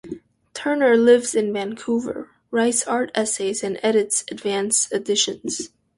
Turner lives in Vancouver, writes art essays and edits Advance Editions.